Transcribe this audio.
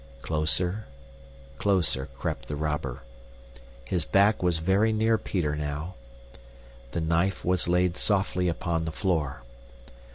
Closer, closer crept the robber. His back was very near Peter now. The knife was laid softly upon the floor.